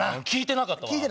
聞いてなかったわ。